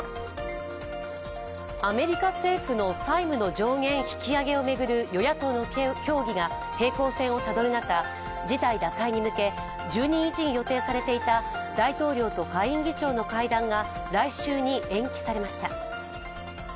アメリカ政府の債務の上限引き上げを巡る与野党の協議が平行線をたどる中事態打開に向け、１２日に予定されていた大統領と下院議長の会談が来週に延期されました。